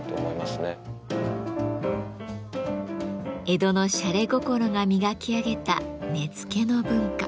江戸のしゃれ心が磨き上げた根付の文化。